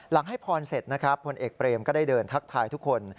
หลังให้พรเสร็จผลเอกเปรมก็ได้เดินทักทายทุกคน